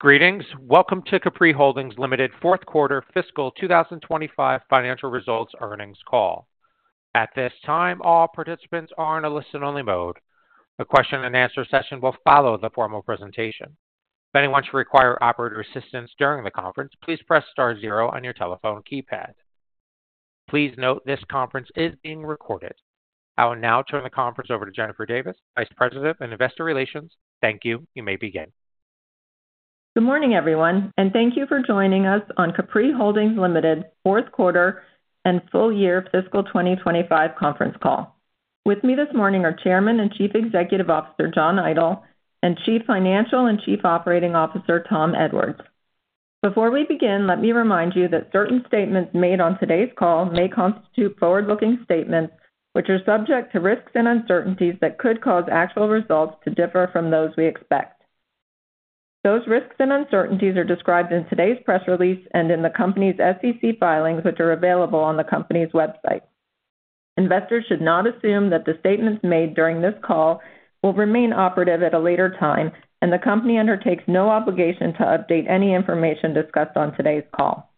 Greetings. Welcome to Capri Holdings Limited, Fourth Quarter Fiscal 2025 Financial Results Earnings call. At this time, all participants are in a listen-only mode. A question-and-answer session will follow the formal presentation. If anyone should require Operator Assistance during the conference, please press * zero on your telephone keypad. Please note this conference is being recorded. I will now turn the conference over to Jennifer Davis, Vice President of Investor Relations. Thank you. You may begin. Good morning, everyone, and thank you for joining us on Capri Holdings Limited, fourth quarter and full year fiscal 2025 conference call. With me this morning are Chairman and Chief Executive Officer John Idol and Chief Financial and Chief Operating Officer Tom Edwards. Before we begin, let me remind you that certain statements made on today's call may constitute forward-looking statements, which are subject to risks and uncertainties that could cause actual results to differ from those we expect. Those risks and uncertainties are described in today's press release and in the company's SEC filings, which are available on the company's website. Investors should not assume that the statements made during this call will remain operative at a later time, and the company undertakes no obligation to update any information discussed on today's call.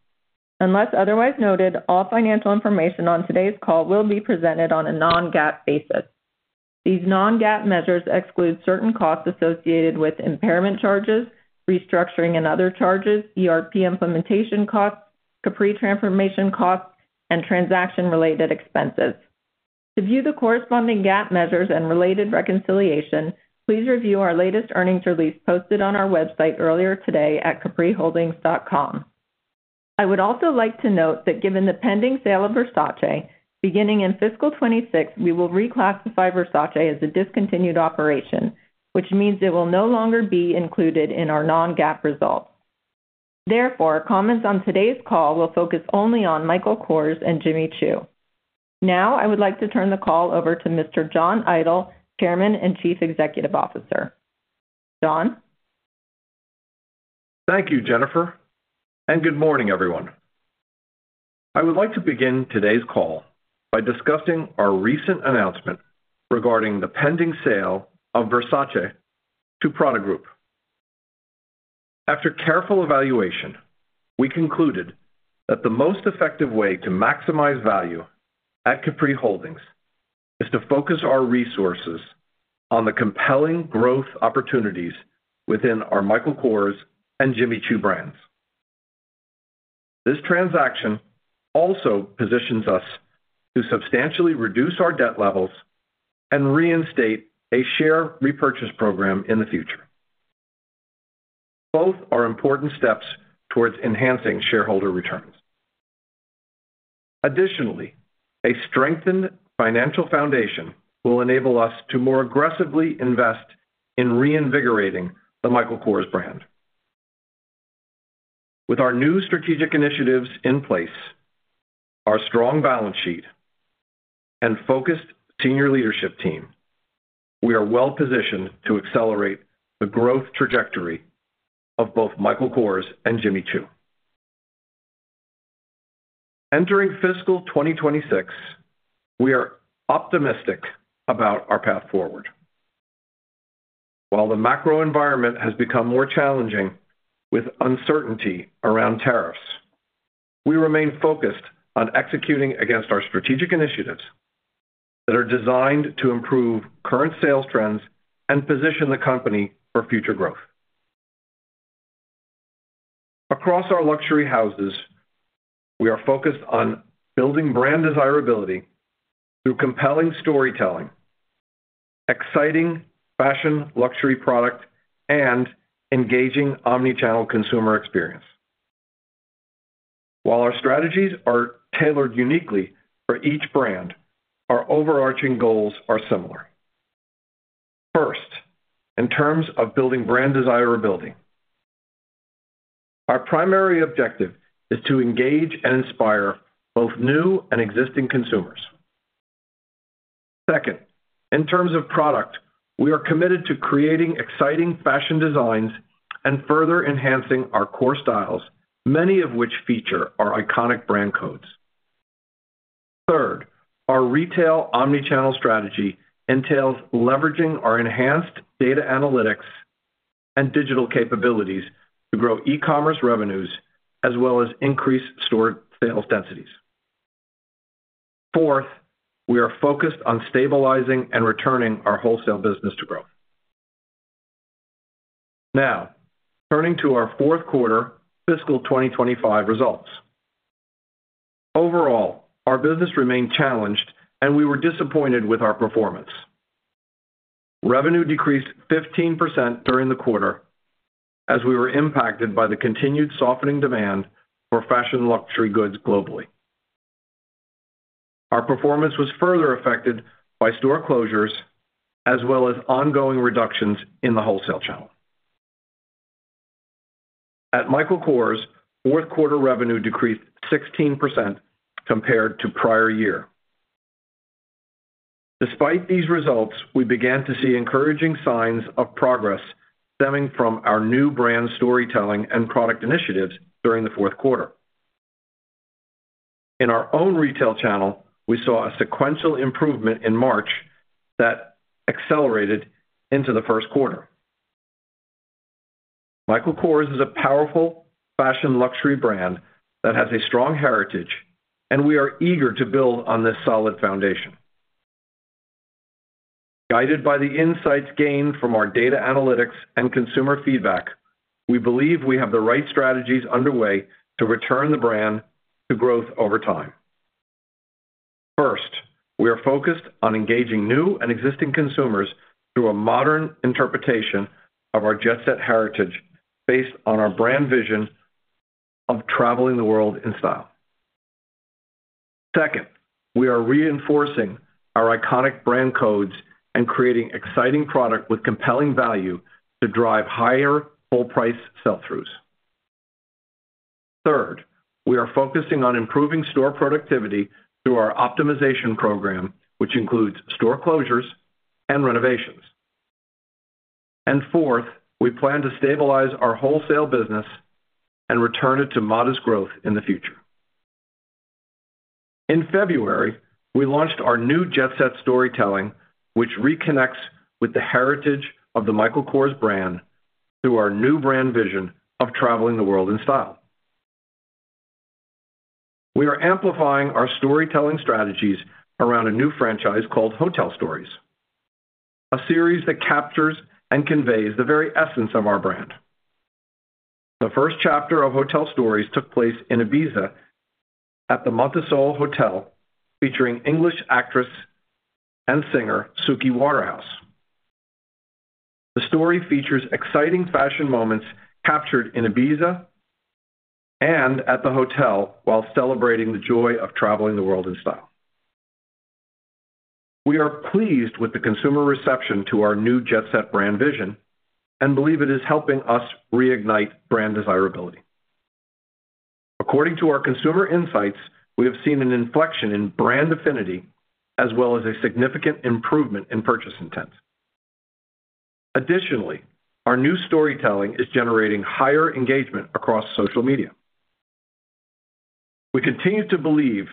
Unless otherwise noted, all financial information on today's call will be presented on a non-GAAP basis. These non-GAAP measures exclude certain costs associated with impairment charges, restructuring and other charges, ERP implementation costs, Capri transformation costs, and transaction-related expenses. To view the corresponding GAAP measures and related reconciliation, please review our latest earnings release posted on our website earlier today at capriholdings.com. I would also like to note that given the pending sale of Versace, beginning in fiscal 2026, we will reclassify Versace as a discontinued operation, which means it will no longer be included in our non-GAAP results. Therefore, comments on today's call will focus only on Michael Kors and Jimmy Choo. Now, I would like to turn the call over to Mr. John Idol, Chairman and Chief Executive Officer. John? Thank you, Jennifer, and good morning, everyone. I would like to begin today's call by discussing our recent announcement regarding the pending sale of Versace to Prada Group. After careful evaluation, we concluded that the most effective way to maximize value at Capri Holdings is to focus our resources on the compelling growth opportunities within our Michael Kors and Jimmy Choo brands. This transaction also positions us to substantially reduce our debt levels and reinstate a share repurchase program in the future. Both are important steps towards enhancing shareholder returns. Additionally, a strengthened financial foundation will enable us to more aggressively invest in reinvigorating the Michael Kors brand. With our new strategic initiatives in place, our strong balance sheet, and focused senior leadership team, we are well positioned to accelerate the growth trajectory of both Michael Kors and Jimmy Choo. Entering fiscal 2026, we are optimistic about our path forward. While the macro environment has become more challenging with uncertainty around tariffs, we remain focused on executing against our strategic initiatives that are designed to improve current sales trends and position the company for future growth. Across our luxury houses, we are focused on building brand desirability through compelling storytelling, exciting fashion luxury product, and engaging omnichannel consumer experience. While our strategies are tailored uniquely for each brand, our overarching goals are similar. First, in terms of building brand desirability, our primary objective is to engage and inspire both new and existing consumers. Second, in terms of product, we are committed to creating exciting fashion designs and further enhancing our core styles, many of which feature our iconic brand codes. Third, our retail omnichannel strategy entails leveraging our enhanced data analytics and digital capabilities to grow e-commerce revenues as well as increase store sales densities. Fourth, we are focused on stabilizing and returning our wholesale business to growth. Now, turning to our fourth quarter fiscal 2025 results. Overall, our business remained challenged, and we were disappointed with our performance. Revenue decreased 15% during the quarter as we were impacted by the continued softening demand for fashion luxury goods globally. Our performance was further affected by store closures as well as ongoing reductions in the wholesale channel. At Michael Kors, fourth quarter revenue decreased 16% compared to prior year. Despite these results, we began to see encouraging signs of progress stemming from our new brand storytelling and product initiatives during the fourth quarter. In our own retail channel, we saw a sequential improvement in March that accelerated into the first quarter. Michael Kors is a powerful fashion luxury brand that has a strong heritage, and we are eager to build on this solid foundation. Guided by the insights gained from our data analytics and consumer feedback, we believe we have the right strategies underway to return the brand to growth over time. First, we are focused on engaging new and existing consumers through a modern interpretation of our Jet Set heritage based on our brand vision of traveling the world in style. Second, we are reinforcing our iconic brand codes and creating exciting product with compelling value to drive higher full-price sell-throughs. Third, we are focusing on improving store productivity through our optimization program, which includes store closures and renovations. Fourth, we plan to stabilize our wholesale business and return it to modest growth in the future. In February, we launched our new Jet Set storytelling, which reconnects with the heritage of the Michael Kors brand through our new brand vision of traveling the world in style. We are amplifying our storytelling strategies around a new franchise called Hotel Stories, a series that captures and conveys the very essence of our brand. The first chapter of Hotel Stories took place in Ibiza at the Montesol Hotel, featuring English actress and singer Suki Waterhouse. The story features exciting fashion moments captured in Ibiza and at the hotel while celebrating the joy of traveling the world in style. We are pleased with the consumer reception to our new Jet Set brand vision and believe it is helping us reignite brand desirability. According to our consumer insights, we have seen an inflection in brand affinity as well as a significant improvement in purchase intent. Additionally, our new storytelling is generating higher engagement across social media. We continue to believe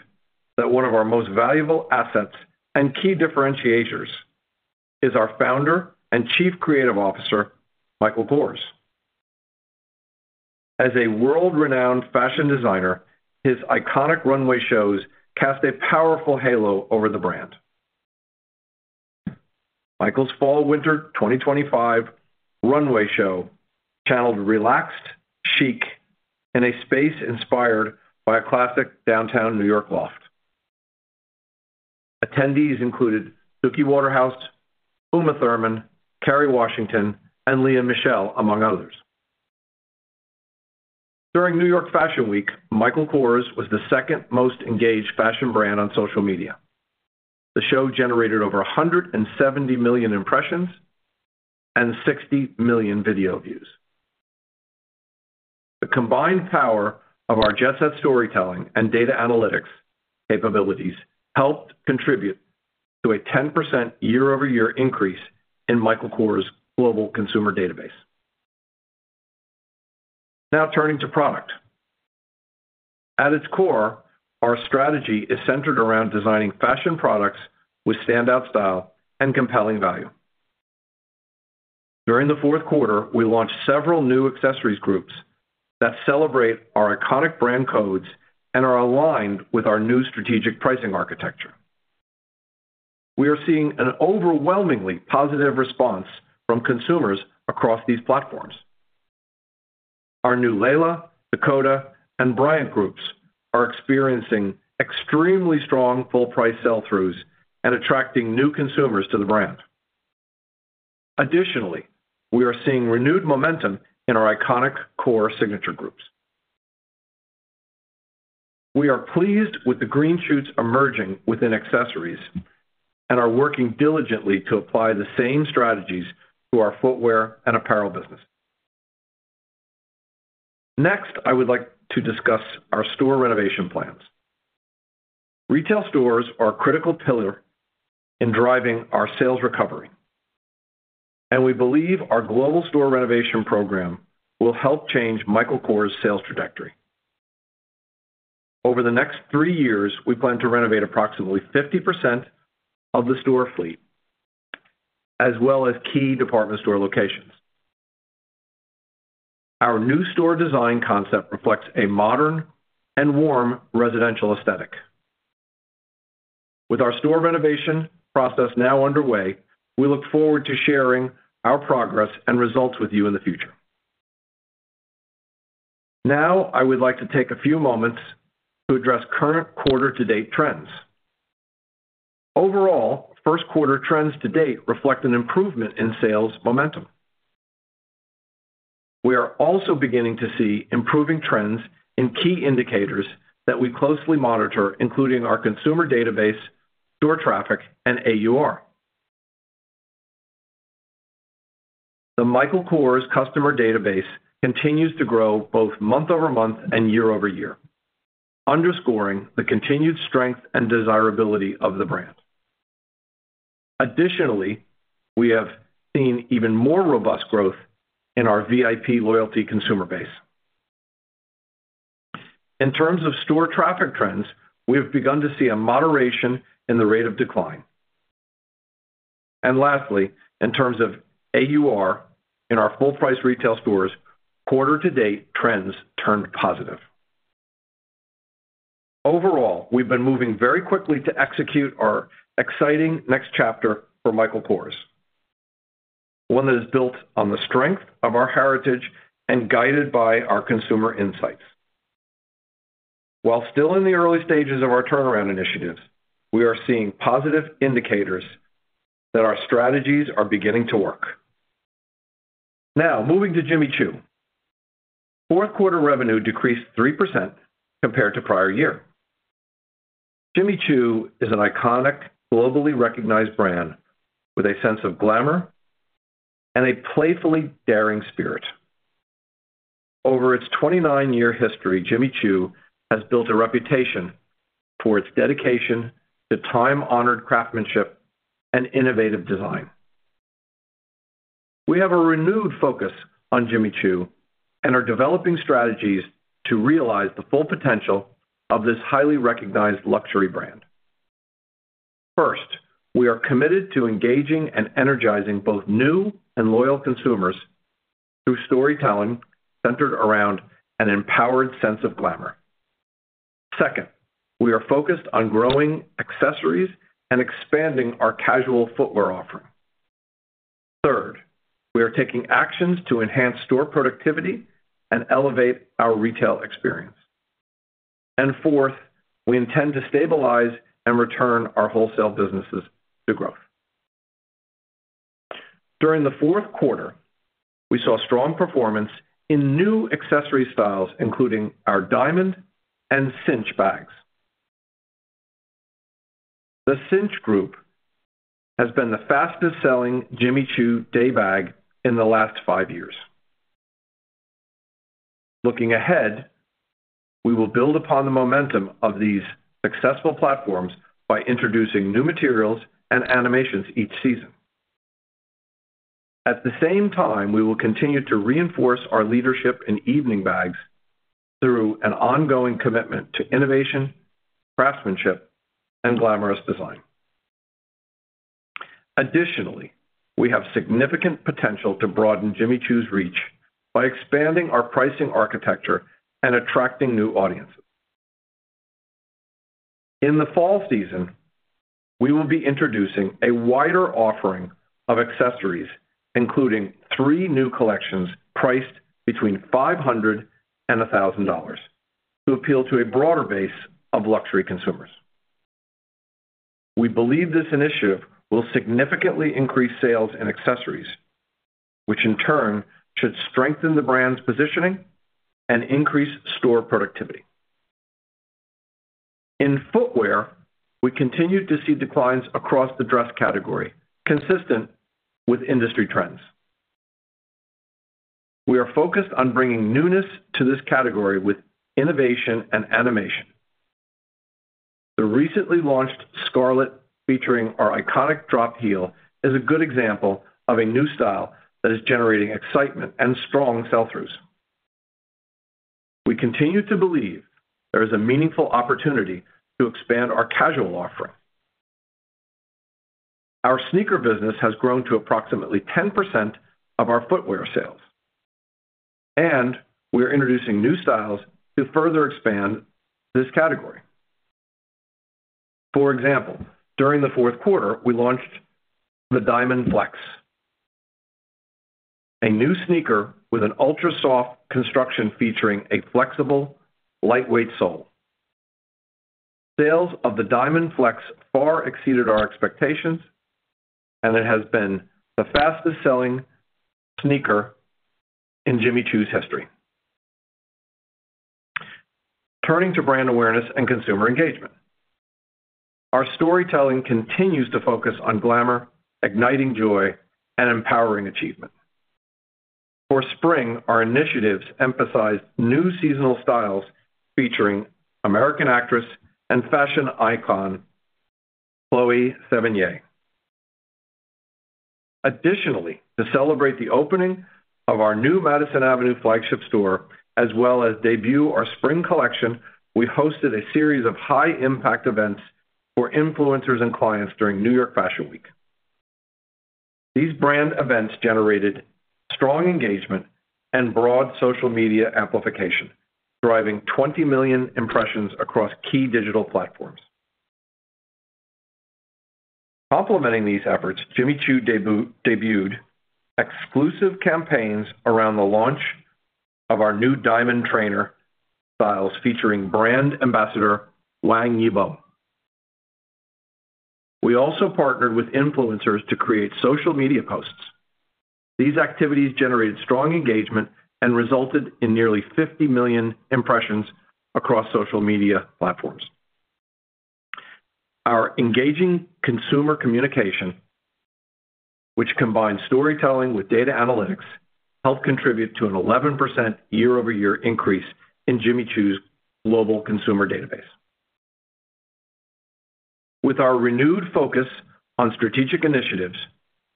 that one of our most valuable assets and key differentiators is our founder and Chief Creative Officer, Michael Kors. As a world-renowned fashion designer, his iconic runway shows cast a powerful halo over the brand. Michael's Fall/Winter 2025 runway show channeled relaxed, chic, in a space inspired by a classic downtown New York loft. Attendees included Suki Waterhouse, Uma Thurman, Kerry Washington and Lea Michelle among others. During New York Fashion Week, Michael Kors was the second most engaged fashion brand on social media. The show generated over 170 million impressions and 60 million video views. The combined power of our Jet Set storytelling and data analytics capabilities helped contribute to a 10% year-over-year increase in Michael Kors' global consumer database. Now turning to product. At its core, our strategy is centered around designing fashion products with standout style and compelling value. During the fourth quarter, we launched several new accessories groups that celebrate our iconic brand codes and are aligned with our new strategic pricing architecture. We are seeing an overwhelmingly positive response from consumers across these platforms. Our new Laila, Dakota, and Bryant groups are experiencing extremely strong full-price sell-throughs and attracting new consumers to the brand. Additionally, we are seeing renewed momentum in our iconic core signature groups. We are pleased with the green shoots emerging within accessories and are working diligently to apply the same strategies to our footwear and apparel business. Next, I would like to discuss our store renovation plans. Retail stores are a critical pillar in driving our sales recovery, and we believe our global store renovation program will help change Michael Kors' sales trajectory. Over the next three years, we plan to renovate approximately 50% of the store fleet, as well as key department store locations. Our new store design concept reflects a modern and warm residential aesthetic. With our store renovation process now underway, we look forward to sharing our progress and results with you in the future. Now, I would like to take a few moments to address current quarter-to-date trends. Overall, first quarter trends to date reflect an improvement in sales momentum. We are also beginning to see improving trends in key indicators that we closely monitor, including our consumer database, store traffic, and AUR. The Michael Kors customer database continues to grow both month-over-month and year-over-year, underscoring the continued strength and desirability of the brand. Additionally, we have seen even more robust growth in our VIP loyalty consumer base. In terms of store traffic trends, we have begun to see a moderation in the rate of decline. Lastly, in terms of AUR in our full-price retail stores, quarter-to-date trends turned positive. Overall, we've been moving very quickly to execute our exciting next chapter for Michael Kors, one that is built on the strength of our heritage and guided by our consumer insights. While still in the early stages of our turnaround initiatives, we are seeing positive indicators that our strategies are beginning to work. Now, moving to Jimmy Choo. Fourth quarter revenue decreased 3% compared to prior year. Jimmy Choo is an iconic, globally recognized brand with a sense of glamour and a playfully daring spirit. Over its 29-year history, Jimmy Choo has built a reputation for its dedication to time-honored craftsmanship and innovative design. We have a renewed focus on Jimmy Choo and are developing strategies to realize the full potential of this highly recognized luxury brand. First, we are committed to engaging and energizing both new and loyal consumers through storytelling centered around an empowered sense of glamour. Second, we are focused on growing accessories and expanding our casual footwear offering. Third, we are taking actions to enhance store productivity and elevate our retail experience. Fourth, we intend to stabilize and return our wholesale businesses to growth. During the fourth quarter, we saw strong performance in new accessory styles, including our Diamond and Cinch bags. The Cinch group has been the fastest-selling Jimmy Choo day bag in the last five years. Looking ahead, we will build upon the momentum of these successful platforms by introducing new materials and animations each season. At the same time, we will continue to reinforce our leadership in evening bags through an ongoing commitment to innovation, craftsmanship, and glamorous design. Additionally, we have significant potential to broaden Jimmy Choo's reach by expanding our pricing architecture and attracting new audiences. In the fall season, we will be introducing a wider offering of accessories, including three new collections priced between $500 and $1,000, to appeal to a broader base of luxury consumers. We believe this initiative will significantly increase sales in accessories, which in turn should strengthen the brand's positioning and increase store productivity. In footwear, we continue to see declines across the dress category, consistent with industry trends. We are focused on bringing newness to this category with innovation and animation. The recently launched Scarlett, featuring our iconic drop heel, is a good example of a new style that is generating excitement and strong sell-throughs. We continue to believe there is a meaningful opportunity to expand our casual offering. Our sneaker business has grown to approximately 10% of our footwear sales, and we are introducing new styles to further expand this category. For example, during the fourth quarter, we launched the Diamond Flex, a new sneaker with an ultra-soft construction featuring a flexible, lightweight sole. Sales of the Diamond Flex far exceeded our expectations, and it has been the fastest-selling sneaker in Jimmy Choo's history. Turning to brand awareness and consumer engagement, our storytelling continues to focus on glamour, igniting joy, and empowering achievement. For spring, our initiatives emphasized new seasonal styles featuring American actress and fashion icon Chloe Sevigne. Additionally, to celebrate the opening of our new Madison Avenue flagship store, as well as debut our spring collection, we hosted a series of high-impact events for influencers and clients during New York Fashion Week. These brand events generated strong engagement and broad social media amplification, driving 20 million impressions across key digital platforms. Complementing these efforts, Jimmy Choo debuted exclusive campaigns around the launch of our new Diamond trainer styles featuring brand ambassador Wang Yibo. We also partnered with influencers to create social media posts. These activities generated strong engagement and resulted in nearly 50 million impressions across social media platforms. Our engaging consumer communication, which combines storytelling with data analytics, helped contribute to an 11% year-over-year increase in Jimmy Choo's global consumer database. With our renewed focus on strategic initiatives,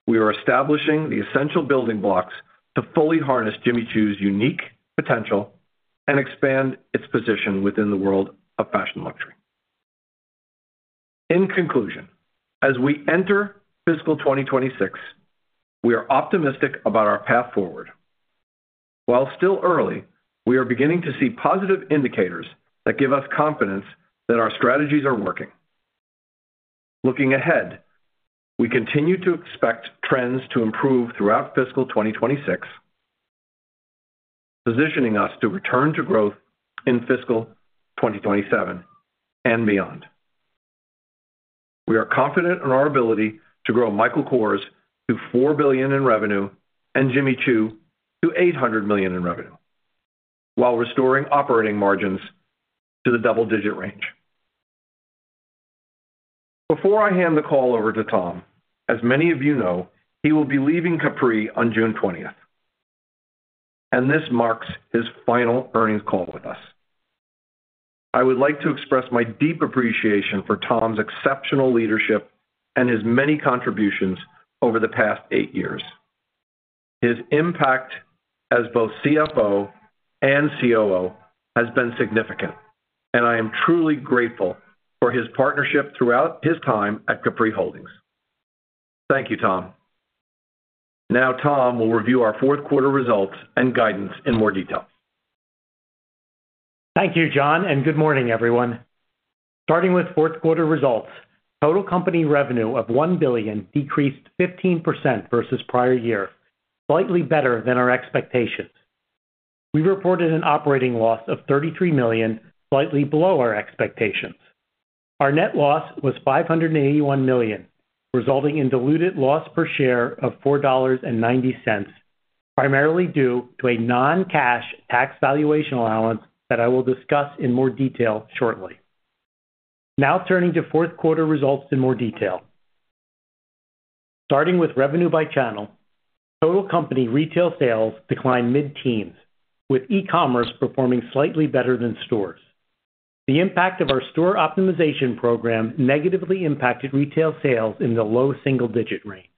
we are establishing the essential building blocks to fully harness Jimmy Choo's unique potential and expand its position within the world of fashion luxury. In conclusion, as we enter fiscal 2026, we are optimistic about our path forward. While still early, we are beginning to see positive indicators that give us confidence that our strategies are working. Looking ahead, we continue to expect trends to improve throughout fiscal 2026, positioning us to return to growth in fiscal 2027 and beyond. We are confident in our ability to grow Michael Kors to $4 billion in revenue and Jimmy Choo to $800 million in revenue, while restoring operating margins to the double-digit range. Before I hand the call over to Tom, as many of you know, he will be leaving Capri on June 20th, and this marks his final earnings call with us. I would like to express my deep appreciation for Tom's exceptional leadership and his many contributions over the past eight years. His impact as both CFO and COO, has been significant, and I am truly grateful for his partnership throughout his time at Capri Holdings. Thank you, Tom. Now, Tom will review our fourth quarter results and guidance in more detail. Thank you, John, and good morning, everyone. Starting with fourth quarter results, total company revenue of $1 billion decreased 15% versus prior year, slightly better than our expectations. We reported an operating loss of $33 million, slightly below our expectations. Our net loss was $581 million, resulting in diluted loss per share of $4.90, primarily due to a non-cash tax valuation allowance that I will discuss in more detail shortly. Now, turning to fourth quarter results in more detail. Starting with revenue by channel, total company retail sales declined mid-teens, with e-commerce performing slightly better than stores. The impact of our store optimization program negatively impacted retail sales in the low single-digit range.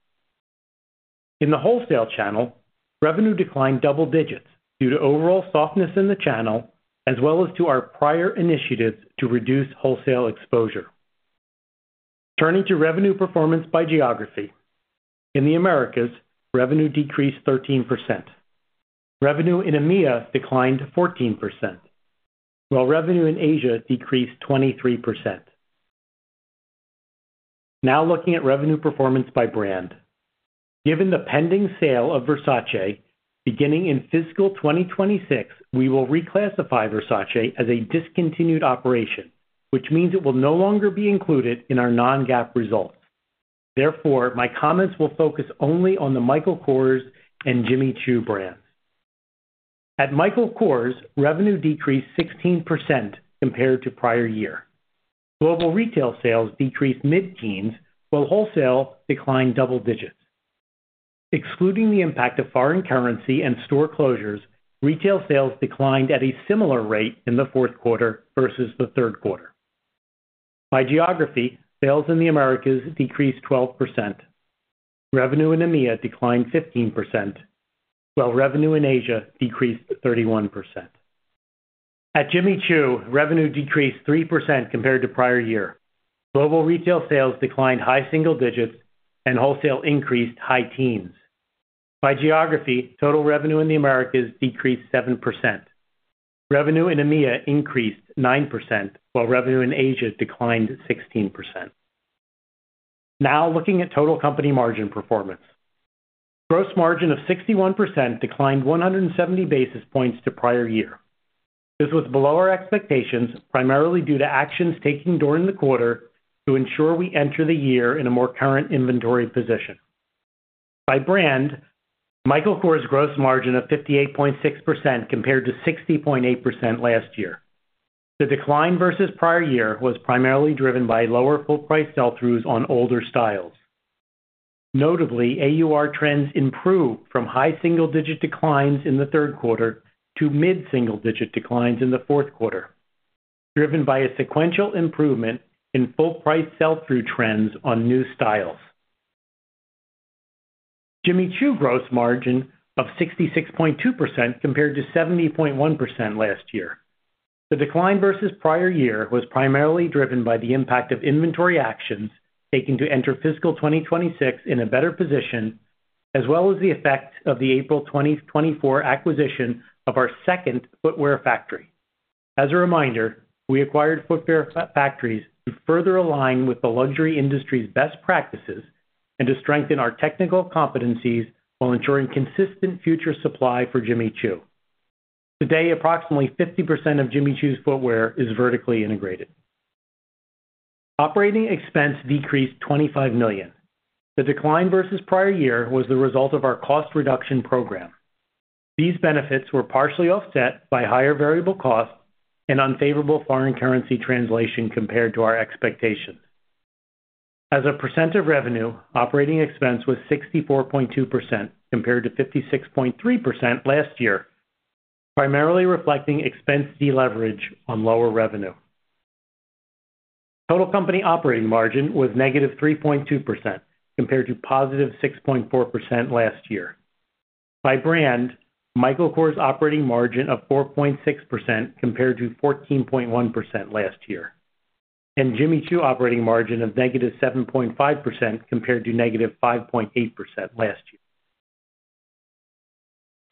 In the wholesale channel, revenue declined double digits due to overall softness in the channel, as well as to our prior initiatives to reduce wholesale exposure. Turning to revenue performance by geography. In the Americas, revenue decreased 13%. Revenue in EMEA declined 14%, while revenue in Asia decreased 23%. Now, looking at revenue performance by brand, given the pending sale of Versace beginning in fiscal 2026, we will reclassify Versace as a discontinued operation, which means it will no longer be included in our non-GAAP results. Therefore, my comments will focus only on the Michael Kors and Jimmy Choo brands. At Michael Kors, revenue decreased 16% compared to prior year. Global retail sales decreased mid-teens, while wholesale declined double digits. Excluding the impact of foreign currency and store closures, retail sales declined at a similar rate in the fourth quarter versus the third quarter. By geography, sales in the Americas decreased 12%. Revenue in EMEA declined 15%, while revenue in Asia decreased 31%. At Jimmy Choo, revenue decreased 3% compared to prior year. Global retail sales declined high single digits, and wholesale increased high teens. By geography, total revenue in the Americas decreased 7%. Revenue in EMEA increased 9%, while revenue in Asia declined 16%. Now, looking at total company margin performance, gross margin of 61% declined 170 basis points to prior year. This was below our expectations, primarily due to actions taken during the quarter to ensure we enter the year in a more current inventory position. By brand, Michael Kors gross margin of 58.6% compared to 60.8% last year. The decline versus prior year was primarily driven by lower full-price sell-throughs on older styles. Notably, AUR trends improved from high single-digit declines in the third quarter to mid-single-digit declines in the fourth quarter, driven by a sequential improvement in full-price sell-through trends on new styles. Jimmy Choo gross margin of 66.2% compared to 70.1% last year. The decline versus prior year was primarily driven by the impact of inventory actions taken to enter fiscal 2026 in a better position, as well as the effect of the April 2024 acquisition of our second footwear factory. As a reminder, we acquired footwear factories to further align with the luxury industry's best practices and to strengthen our technical competencies while ensuring consistent future supply for Jimmy Choo. Today, approximately 50% of Jimmy Choo's footwear is vertically integrated. Operating expense decreased $25 million. The decline versus prior year was the result of our cost reduction program. These benefits were partially offset by higher variable costs and unfavorable foreign currency translation compared to our expectations. As a percent of revenue, operating expense was 64.2% compared to 56.3% last year, primarily reflecting expense deleverage on lower revenue. Total company operating margin was negative 3.2% compared to positive 6.4% last year. By brand, Michael Kors operating margin of 4.6% compared to 14.1% last year, and Jimmy Choo operating margin of negative 7.5% compared to negative 5.8% last year.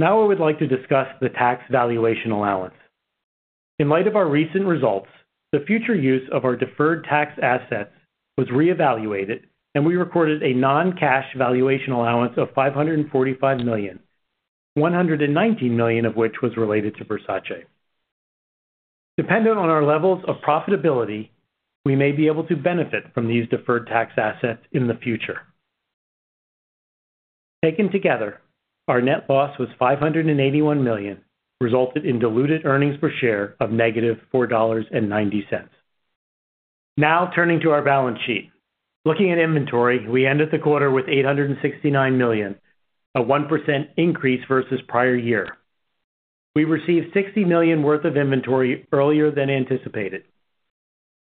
Now, I would like to discuss the tax valuation allowance. In light of our recent results, the future use of our deferred tax assets was reevaluated, and we recorded a non-cash valuation allowance of $545 million, $119 million of which was related to Versace. Dependent on our levels of profitability, we may be able to benefit from these deferred tax assets in the future. Taken together, our net loss was $581 million, resulted in diluted earnings per share of negative $4.90. Now, turning to our balance sheet, looking at inventory, we ended the quarter with $869 million, a 1% increase versus prior year. We received $60 million worth of inventory earlier than anticipated.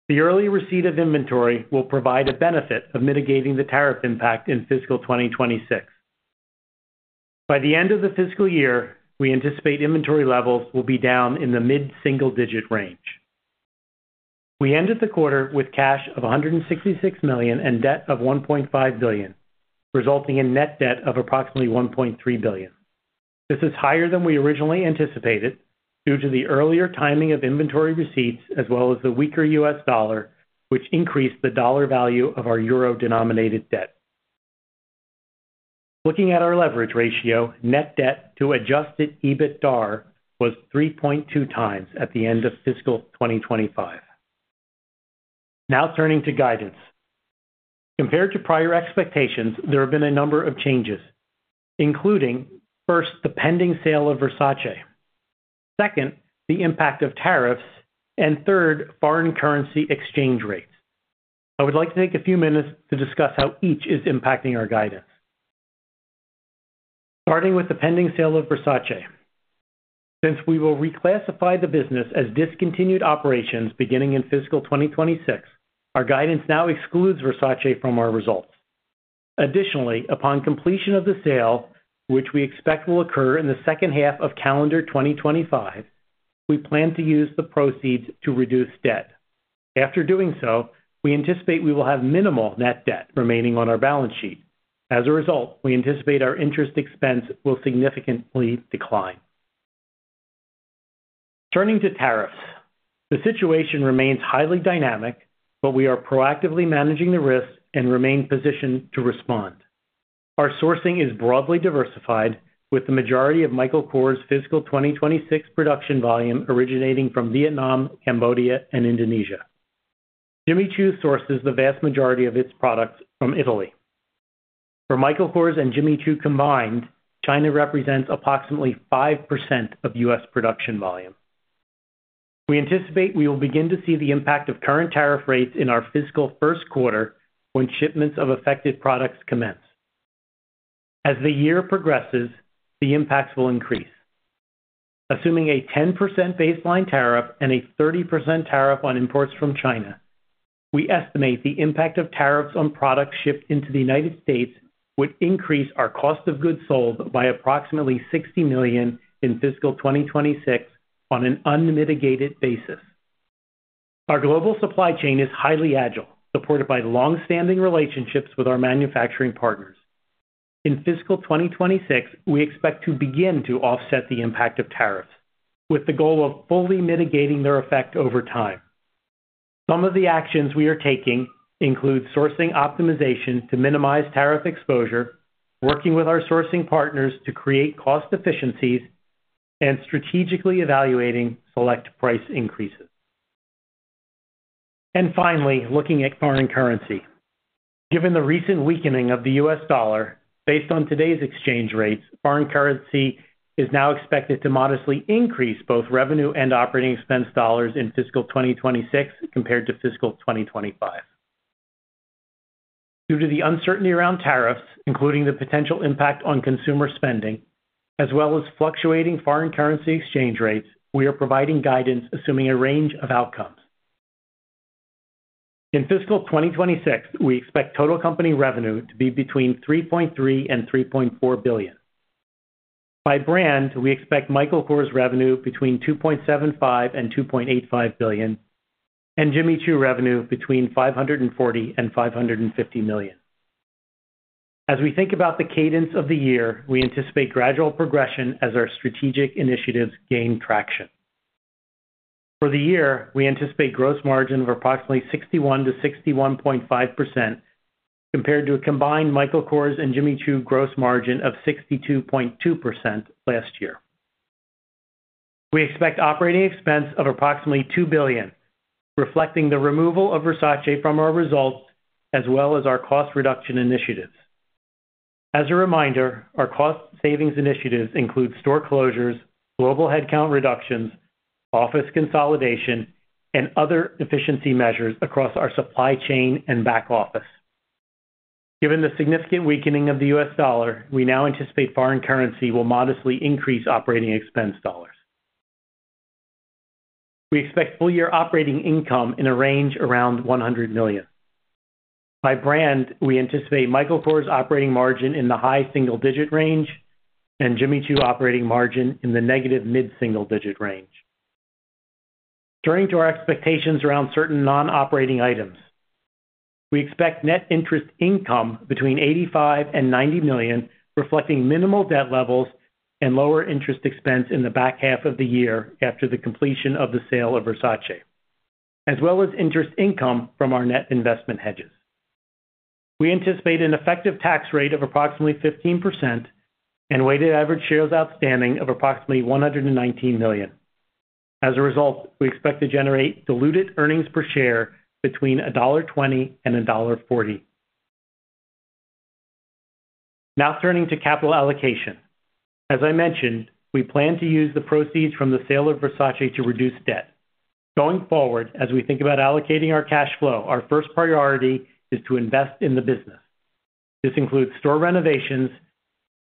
The early receipt of inventory will provide a benefit of mitigating the tariff impact in fiscal 2026. By the end of the fiscal year, we anticipate inventory levels will be down in the mid-single-digit range. We ended the quarter with cash of $166 million and debt of $1.5 billion, resulting in net debt of approximately $1.3 billion. This is higher than we originally anticipated due to the earlier timing of inventory receipts, as well as the weaker US dollar, which increased the dollar value of our euro-denominated debt. Looking at our leverage ratio, net debt to adjusted EBITDA was 3.2 times at the end of fiscal 2025. Now, turning to guidance. Compared to prior expectations, there have been a number of changes, including first, the pending sale of Versace; second, the impact of tariffs; and third, foreign currency exchange rates. I would like to take a few minutes to discuss how each is impacting our guidance. Starting with the pending sale of Versace. Since we will reclassify the business as discontinued operations beginning in fiscal 2026, our guidance now excludes Versace from our results. Additionally, upon completion of the sale, which we expect will occur in the second half of calendar 2025, we plan to use the proceeds to reduce debt. After doing so, we anticipate we will have minimal net debt remaining on our balance sheet. As a result, we anticipate our interest expense will significantly decline. Turning to tariffs, the situation remains highly dynamic, but we are proactively managing the risks and remain positioned to respond. Our sourcing is broadly diversified, with the majority of Michael Kors' fiscal 2026 production volume originating from Vietnam, Cambodia and Indonesia. Jimmy Choo sources the vast majority of its products from Italy. For Michael Kors and Jimmy Choo combined, China represents approximately 5% of U.S. production volume. We anticipate we will begin to see the impact of current tariff rates in our fiscal first quarter when shipments of affected products commence. As the year progresses, the impacts will increase. Assuming a 10% baseline tariff and a 30% tariff on imports from China, we estimate the impact of tariffs on products shipped into the United States would increase our cost of goods sold by approximately $60 million in fiscal 2026 on an unmitigated basis. Our global supply chain is highly agile, supported by long-standing relationships with our manufacturing partners. In fiscal 2026, we expect to begin to offset the impact of tariffs, with the goal of fully mitigating their effect over time. Some of the actions we are taking include sourcing optimization to minimize tariff exposure, working with our sourcing partners to create cost efficiencies, and strategically evaluating select price increases. Finally, looking at foreign currency. Given the recent weakening of the U.S. dollar, based on today's exchange rates, foreign currency is now expected to modestly increase both revenue and operating expense dollars in fiscal 2026 compared to fiscal 2025. Due to the uncertainty around tariffs, including the potential impact on consumer spending, as well as fluctuating foreign currency exchange rates, we are providing guidance assuming a range of outcomes. In fiscal 2026, we expect total company revenue to be between $3.3 billion and $3.4 billion. By brand, we expect Michael Kors revenue between $2.75 billion and $2.85 billion, and Jimmy Choo revenue between $540 million and $550 million. As we think about the cadence of the year, we anticipate gradual progression as our strategic initiatives gain traction. For the year, we anticipate gross margin of approximately 61%-61.5% compared to a combined Michael Kors and Jimmy Choo gross margin of 62.2% last year. We expect operating expense of approximately $2 billion, reflecting the removal of Versace from our results as well as our cost reduction initiatives. As a reminder, our cost savings initiatives include store closures, global headcount reductions, office consolidation, and other efficiency measures across our supply chain and back office. Given the significant weakening of the U.S. dollar, we now anticipate foreign currency will modestly increase operating expense dollars. We expect full-year operating income in a range around $100 million. By brand, we anticipate Michael Kors operating margin in the high single-digit range and Jimmy Choo operating margin in the negative mid-single-digit range. Turning to our expectations around certain non-operating items, we expect net interest income between $85 million and $90 million, reflecting minimal debt levels and lower interest expense in the back half of the year after the completion of the sale of Versace, as well as interest income from our net investment hedges. We anticipate an effective tax rate of approximately 15% and weighted average shares outstanding of approximately 119 million. As a result, we expect to generate diluted earnings per share between $1.20 and $1.40. Now, turning to capital allocation. As I mentioned, we plan to use the proceeds from the sale of Versace to reduce debt. Going forward, as we think about allocating our cash flow, our first priority is to invest in the business. This includes store renovations,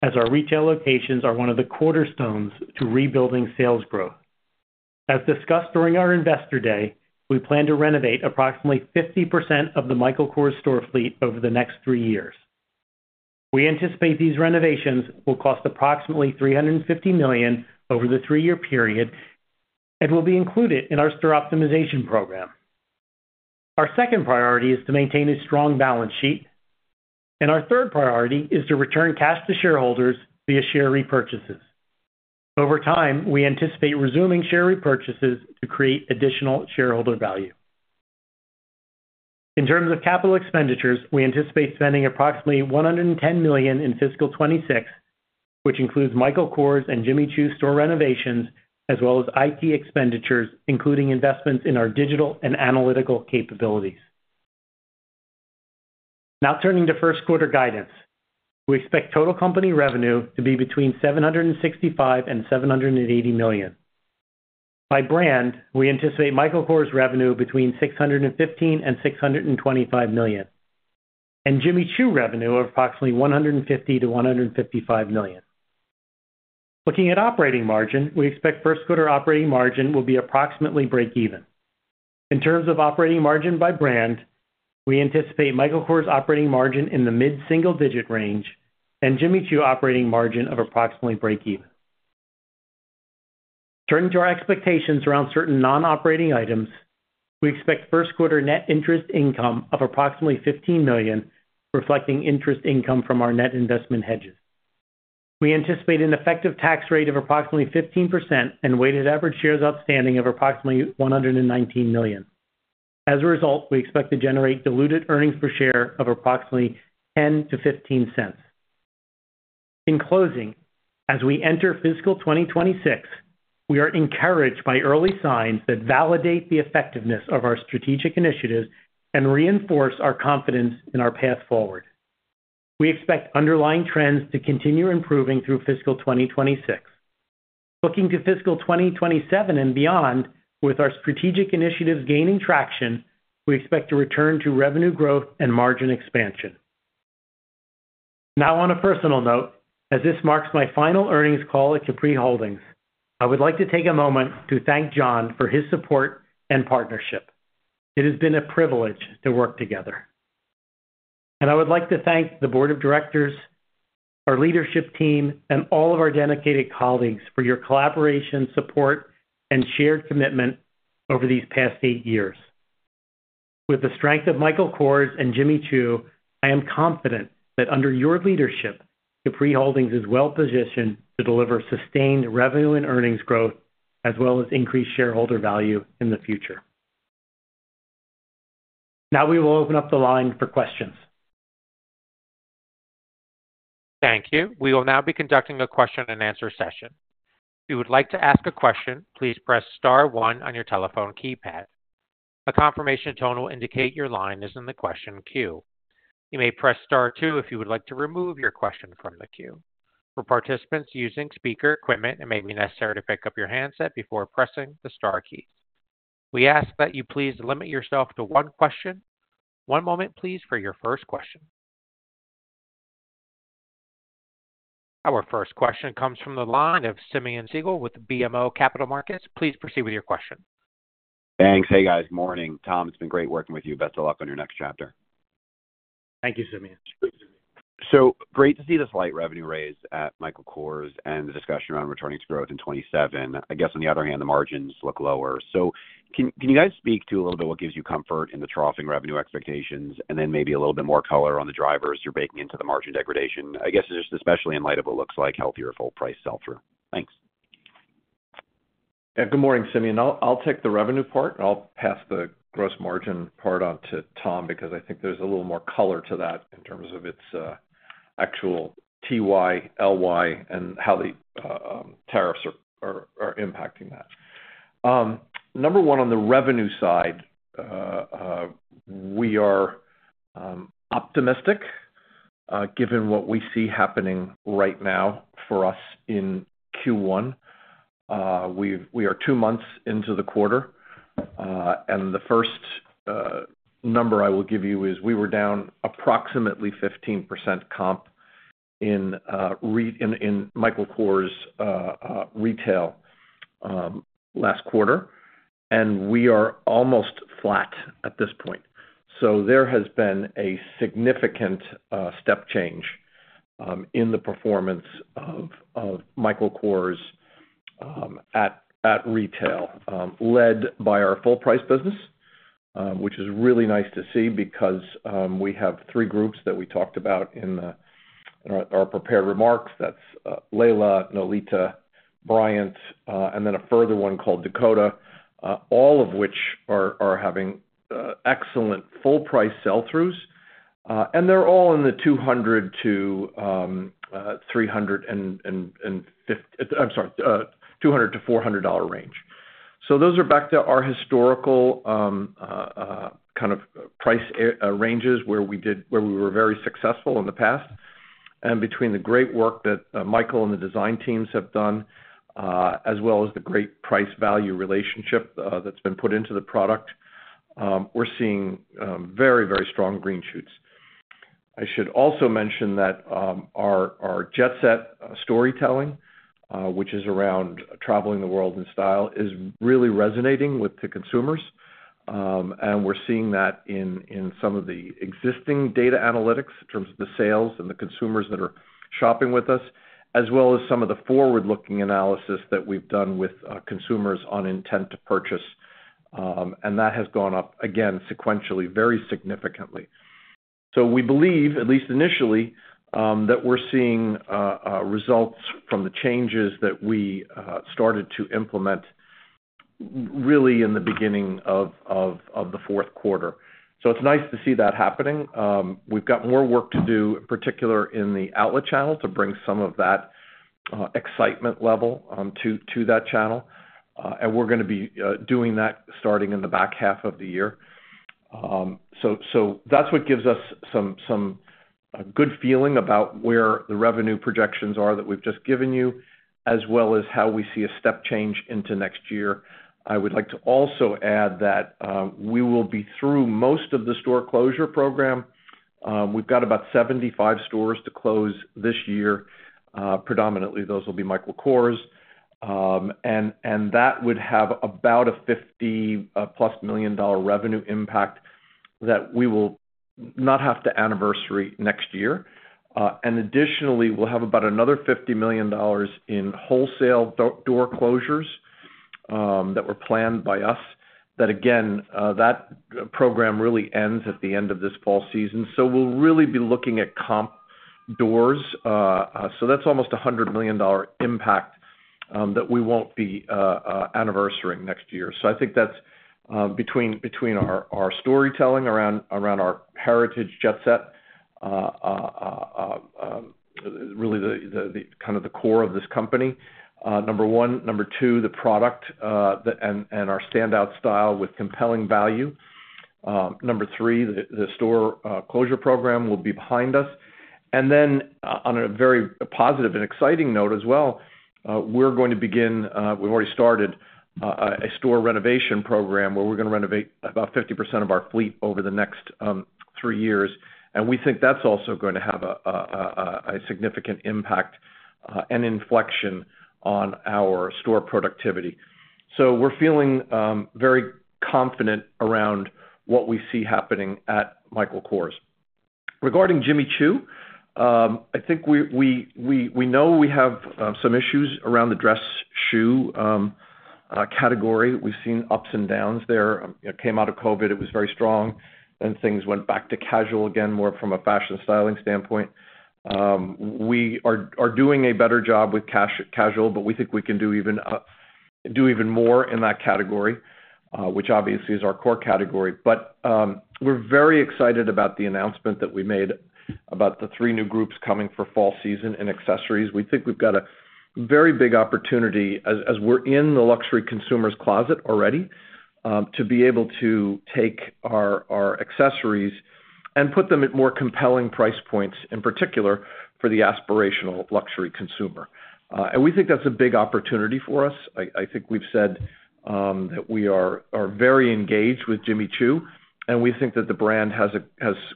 as our retail locations are one of the cornerstones to rebuilding sales growth. As discussed during our investor day, we plan to renovate approximately 50% of the Michael Kors store fleet over the next three years. We anticipate these renovations will cost approximately $350 million over the three-year period and will be included in our store optimization program. Our second priority is to maintain a strong balance sheet, and our third priority is to return cash to shareholders via share repurchases. Over time, we anticipate resuming share repurchases to create additional shareholder value. In terms of capital expenditures, we anticipate spending approximately $110 million in fiscal 2026, which includes Michael Kors and Jimmy Choo store renovations, as well as IT expenditures, including investments in our digital and analytical capabilities. Now, turning to first quarter guidance, we expect total company revenue to be between $765-$780 million. By brand, we anticipate Michael Kors revenue between $615 million and $625 million, and Jimmy Choo revenue of approximately $150 million-$155 million. Looking at operating margin, we expect first quarter operating margin will be approximately break-even. In terms of operating margin by brand, we anticipate Michael Kors operating margin in the mid-single-digit range and Jimmy Choo operating margin of approximately break-even. Turning to our expectations around certain non-operating items, we expect first quarter net interest income of approximately $15 million, reflecting interest income from our net investment hedges. We anticipate an effective tax rate of approximately 15% and weighted average shares outstanding of approximately 119 million. As a result, we expect to generate diluted earnings per share of approximately $0.10 to $0.15. In closing, as we enter fiscal 2026, we are encouraged by early signs that validate the effectiveness of our strategic initiatives and reinforce our confidence in our path forward. We expect underlying trends to continue improving through fiscal 2026. Looking to fiscal 2027 and beyond, with our strategic initiatives gaining traction, we expect to return to revenue growth and margin expansion. On a personal note, as this marks my final earnings call at Capri Holdings, I would like to take a moment to thank John for his support and partnership. It has been a privilege to work together. I would like to thank the board of directors, our leadership team, and all of our dedicated colleagues for your collaboration, support, and shared commitment over these past eight years. With the strength of Michael Kors and Jimmy Choo, I am confident that under your leadership, Capri Holdings is well positioned to deliver sustained revenue and earnings growth, as well as increased shareholder value in the future. Now, we will open up the line for questions. Thank you. We will now be conducting a question-and-answer session. If you would like to ask a question, please press Star 1 on your telephone keypad. A confirmation tone will indicate your line is in the question queue. You may press Star 2 if you would like to remove your question from the queue. For participants using speaker equipment, it may be necessary to pick up your handset before pressing the Star keys. We ask that you please limit yourself to one question. One moment, please, for your first question. Our first question comes from the line of Simeon Siegel with BMO Capital Markets. Please proceed with your question. Thanks. Hey, guys. Morning. Tom, it's been great working with you. Best of luck on your next chapter. Thank you, Simeon. So great to see the slight revenue raise at Michael Kors and the discussion around returning to growth in 2027. I guess, on the other hand, the margins look lower. Can you guys speak to a little bit what gives you comfort in the troughing revenue expectations and then maybe a little bit more color on the drivers you're baking into the margin degradation? I guess it's just especially in light of what looks like healthier full-price sell-through. Thanks. Yeah. Good morning, Simeon. I'll take the revenue part. I'll pass the gross margin part on to Tom because I think there's a little more color to that in terms of its actual TY, LY, and how the tariffs are impacting that. Number one, on the revenue side, we are optimistic given what we see happening right now for us in Q1. We are two months into the quarter. The first number I will give you is we were down approximately 15% comp in Michael Kors retail last quarter, and we are almost flat at this point. There has been a significant step change in the performance of Michael Kors at retail, led by our full-price business, which is really nice to see because we have three groups that we talked about in our prepared remarks. That is Laila, Lalita, Bryant and then a further one called Dakota, all of which are having excellent full-price sell-throughs, and they are all in the $200-$400 range. Those are back to our historical kind of price ranges where we were very successful in the past. Between the great work that Michael and the design teams have done, as well as the great price-value relationship that's been put into the product, we're seeing very, very strong green shoots. I should also mention that our Jet Set storytelling, which is around traveling the world in style, is really resonating with the consumers. We're seeing that in some of the existing data analytics in terms of the sales and the consumers that are shopping with us, as well as some of the forward-looking analysis that we've done with consumers on intent to purchase. That has gone up, again, sequentially very significantly. We believe, at least initially, that we're seeing results from the changes that we started to implement really in the beginning of the fourth quarter. It's nice to see that happening. We've got more work to do, in particular in the outlet channel, to bring some of that excitement level to that channel. We're going to be doing that starting in the back half of the year. That's what gives us some good feeling about where the revenue projections are that we've just given you, as well as how we see a step change into next year. I would like to also add that we will be through most of the store closure program. We've got about 75 stores to close this year. Predominantly, those will be Michael Kors. That would have about a $50 million-plus revenue impact that we will not have to anniversary next year. Additionally, we'll have about another $50 million in wholesale door closures that were planned by us. That, again, that program really ends at the end of this fall season. We'll really be looking at comp doors. That's almost a $100 million impact that we won't be anniversarying next year. I think that's between our storytelling around our heritage Jet Set, really the kind of the core of this company, number one. Number two, the product and our standout style with compelling value. Number three, the store closure program will be behind us. On a very positive and exciting note as well, we're going to begin—we've already started a store renovation program where we're going to renovate about 50% of our fleet over the next three years. We think that's also going to have a significant impact and inflection on our store productivity. We're feeling very confident around what we see happening at Michael Kors. Regarding Jimmy Choo, I think we know we have some issues around the dress shoe category. We've seen ups and downs there. It came out of COVID. It was very strong, and things went back to casual again, more from a fashion styling standpoint. We are doing a better job with casual, but we think we can do even more in that category, which obviously is our core category. We are very excited about the announcement that we made about the three new groups coming for fall season in accessories. We think we've got a very big opportunity, as we're in the luxury consumer's closet already, to be able to take our accessories and put them at more compelling price points, in particular for the aspirational luxury consumer. We think that's a big opportunity for us. I think we've said that we are very engaged with Jimmy Choo, and we think that the brand has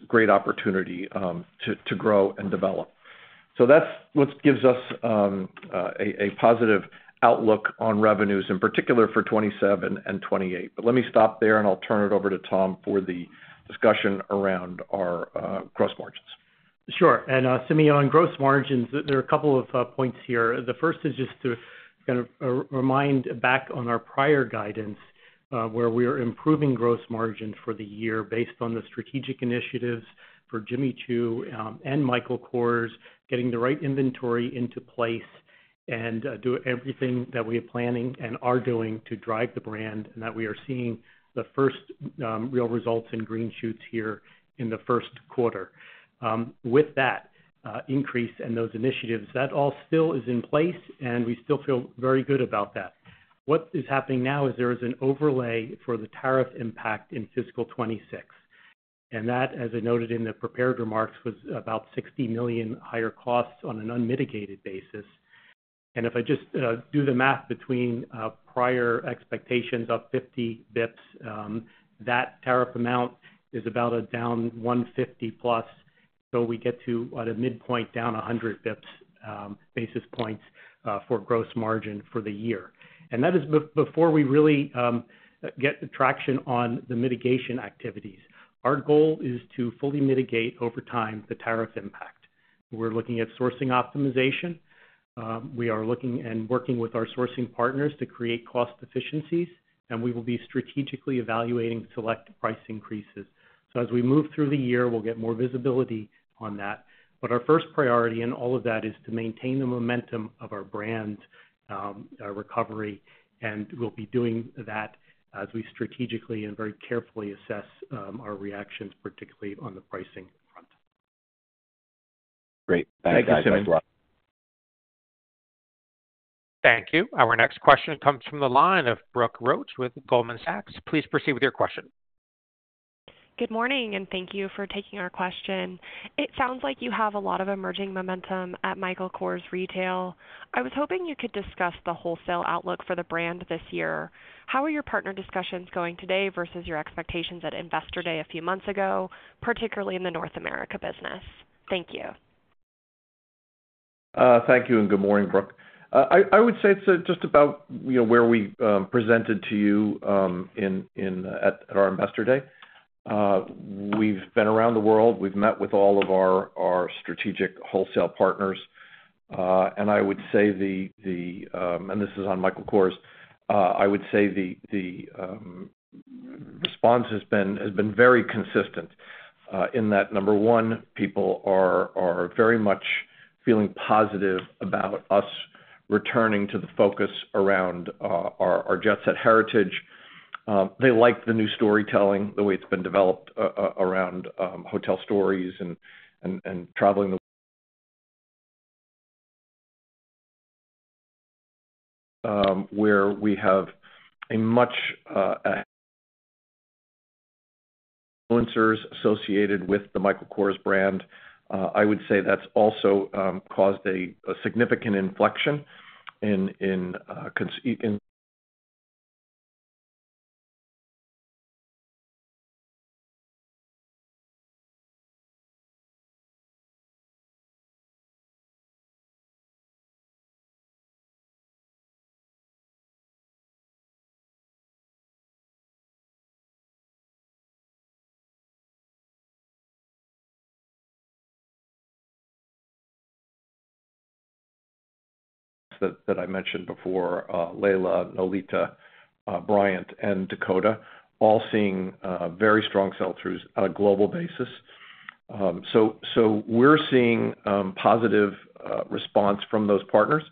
great opportunity to grow and develop. That's what gives us a positive outlook on revenues, in particular for 2027 and 2028. Let me stop there, and I'll turn it over to Tom for the discussion around our gross margins. Sure. Simeon, on gross margins, there are a couple of points here. The first is just to kind of remind back on our prior guidance where we are improving gross margin for the year based on the strategic initiatives for Jimmy Choo and Michael Kors, getting the right inventory into place and doing everything that we are planning and are doing to drive the brand, and that we are seeing the first real results in green shoots here in the first quarter. With that increase and those initiatives, that all still is in place, and we still feel very good about that. What is happening now is there is an overlay for the tariff impact in fiscal 2026. That, as I noted in the prepared remarks, was about $60 million higher costs on an unmitigated basis. If I just do the math between prior expectations of 50 bps that tariff amount is about a down 150-plus. We get to, at a midpoint, down 100 bps-basis points for gross margin for the year. That is before we really get traction on the mitigation activities. Our goal is to fully mitigate over time the tariff impact. We are looking at sourcing optimization. We are looking and working with our sourcing partners to create cost efficiencies, and we will be strategically evaluating select price increases. As we move through the year, we will get more visibility on that. Our first priority in all of that is to maintain the momentum of our brand recovery, and we will be doing that as we strategically and very carefully assess our reactions, particularly on the pricing front. Great. Thank you, Simeon. Thank you. Thank you. Our next question comes from the line of Brooke Roach with Goldman Sachs. Please proceed with your question. Good morning, and thank you for taking our question. It sounds like you have a lot of emerging momentum at Michael Kors retail. I was hoping you could discuss the wholesale outlook for the brand this year. How are your partner discussions going today versus your expectations at Investor Day a few months ago, particularly in the North America business? Thank you. Thank you, and good morning, Brooke. I would say it is just about where we presented to you at our Investor Day. We have been around the world. We've met with all of our strategic wholesale partners. I would say the—and this is on Michael Kors, I would say the response has been very consistent in that, number one, people are very much feeling positive about us returning to the focus around our Jet Set heritage. They like the new storytelling, the way it's been developed around Hotel Stories and traveling the world, where we have much influencers associated with the Michael Kors brand. I would say that's also caused a significant inflection in that I mentioned before: Laila, Laila, Bryant and Dakota, all seeing very strong sell-throughs on a global basis. We are seeing positive response from those partners.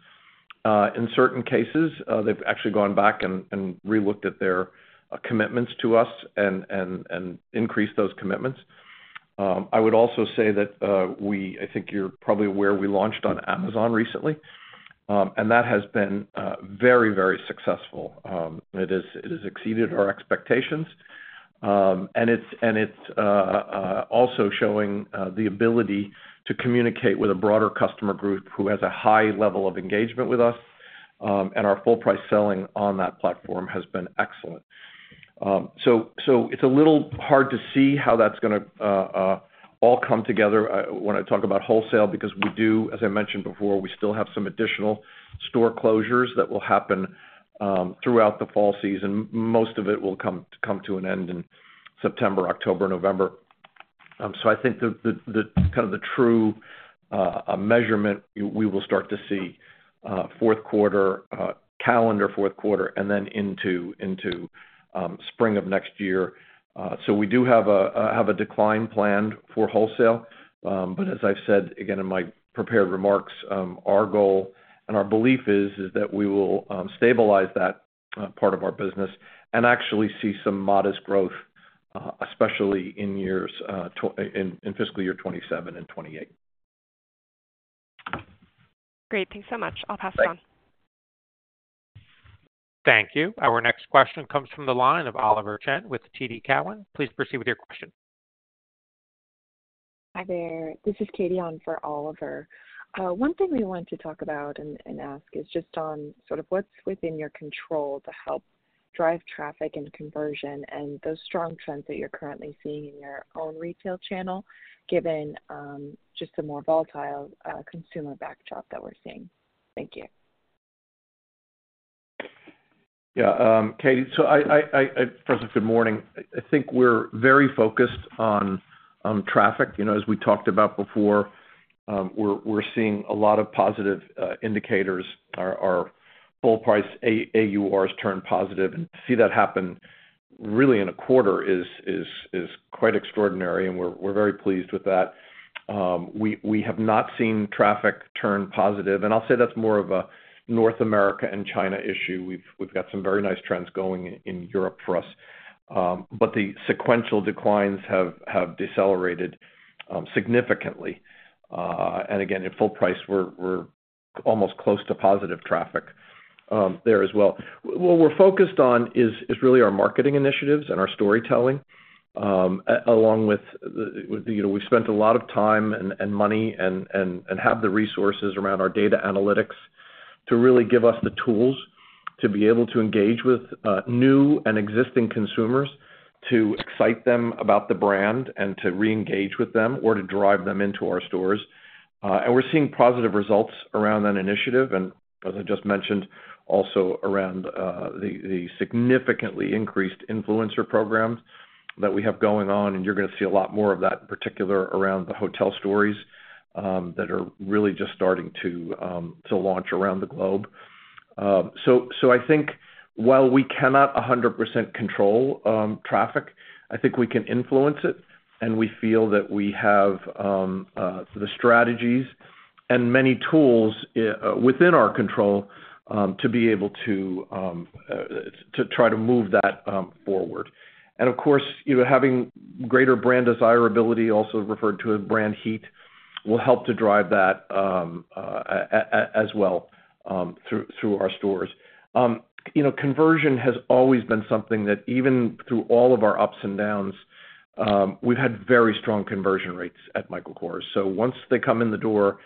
In certain cases, they've actually gone back and relooked at their commitments to us and increased those commitments. I would also say that we—I think you're probably aware—we launched on Amazon recently, and that has been very, very successful. It has exceeded our expectations, and it's also showing the ability to communicate with a broader customer group who has a high level of engagement with us. Our full-price selling on that platform has been excellent. It is a little hard to see how that's going to all come together when I talk about wholesale because we do, as I mentioned before, we still have some additional store closures that will happen throughout the fall season. Most of it will come to an end in September, October, November. I think kind of the true measurement we will start to see fourth quarter, calendar fourth quarter, and then into spring of next year. We do have a decline planned for wholesale. As I have said, again, in my prepared remarks, our goal and our belief is that we will stabilize that part of our business and actually see some modest growth, especially in fiscal year 2027 and 2028. Great. Thanks so much. I'll pass it on. Thank you. Our next question comes from the line of Oliver Chen with TD Cowen. Please proceed with your question. Hi there. This is Katie on for Oliver. One thing we wanted to talk about and ask is just on sort of what's within your control to help drive traffic and conversion and those strong trends that you're currently seeing in your own retail channel, given just the more volatile consumer backdrop that we're seeing. Thank you. Yeah. Katie, so first off, good morning. I think we're very focused on traffic. As we talked about before, we're seeing a lot of positive indicators. Our full-price AURs turned positive. To see that happen really in a quarter is quite extraordinary, and we're very pleased with that. We have not seen traffic turn positive. I'll say that's more of a North America and China issue. We've got some very nice trends going in Europe for us. The sequential declines have decelerated significantly. At full price, we're almost close to positive traffic there as well. What we're focused on is really our marketing initiatives and our storytelling, along with we've spent a lot of time and money and have the resources around our data analytics to really give us the tools to be able to engage with new and existing consumers, to excite them about the brand, and to reengage with them or to drive them into our stores. We're seeing positive results around that initiative. As I just mentioned, also around the significantly increased influencer programs that we have going on. You are going to see a lot more of that, in particular around the Hotel Stories that are really just starting to launch around the globe. I think while we cannot 100% control traffic, I think we can influence it. We feel that we have the strategies and many tools within our control to be able to try to move that forward. Of course, having greater brand desirability, also referred to as brand heat, will help to drive that as well through our stores. Conversion has always been something that, even through all of our ups and downs, we have had very strong conversion rates at Michael Kors. Once they come in the door,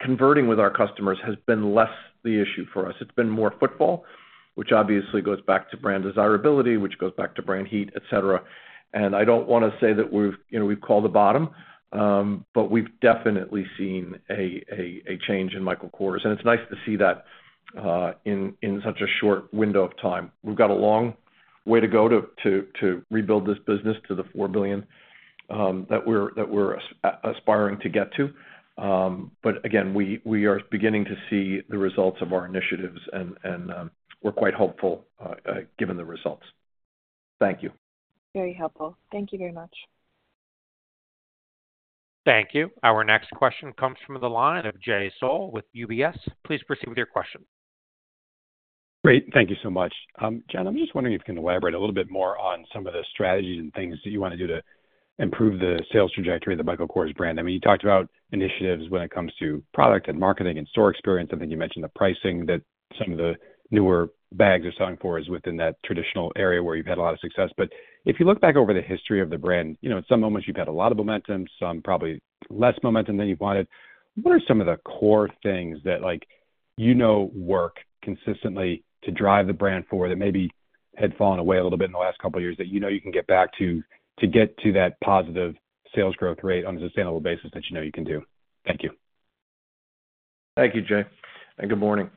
converting with our customers has been less the issue for us. It's been more football, which obviously goes back to brand desirability, which goes back to brand heat, etc. I don't want to say that we've called the bottom, but we've definitely seen a change in Michael Kors. It's nice to see that in such a short window of time. We've got a long way to go to rebuild this business to the $4 billion that we're aspiring to get to. Again, we are beginning to see the results of our initiatives, and we're quite hopeful given the results. Thank you. Very helpful. Thank you very much. Thank you. Our next question comes from the line of Jay Sole with UBS. Please proceed with your question. Great. Thank you so much. John, I'm just wondering if you can elaborate a little bit more on some of the strategies and things that you want to do to improve the sales trajectory of the Michael Kors brand. I mean, you talked about initiatives when it comes to product and marketing and store experience. I think you mentioned the pricing that some of the newer bags are selling for is within that traditional area where you've had a lot of success. If you look back over the history of the brand, in some moments, you've had a lot of momentum, some probably less momentum than you wanted. What are some of the core things that you know work consistently to drive the brand for that maybe had fallen away a little bit in the last couple of years that you know you can get back to get to that positive sales growth rate on a sustainable basis that you know you can do? Thank you. Thank you, Jay. And good morning.